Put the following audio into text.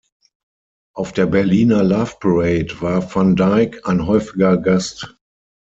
Auf der Berliner Loveparade war van Dijk ein häufiger Gast.